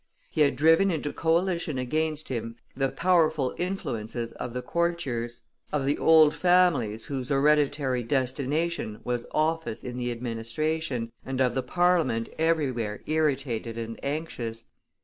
He had driven into coalition against him the powerful influences of the courtiers, of the old families whose hereditary destination was office in the administration, and of the parliament everywhere irritated and anxious.